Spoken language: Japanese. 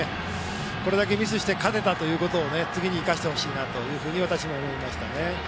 これだけミスをして勝てたことを次に生かしてほしいなと私も思いましたね。